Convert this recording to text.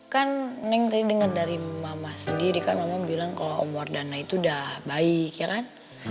kan neng tadi dengar dari mama sendiri kan mama bilang kalau homor dana itu udah baik ya kan